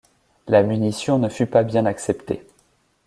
La munition ne fut pas bien acceptée.